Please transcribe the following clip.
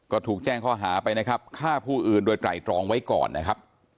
ก็ถูกแจ้งข้อหาไปนะครับฆ่าผู้อื่นโดยไตรตรองไว้ก่อนนะครับ